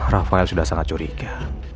rafael sudah sangat curiga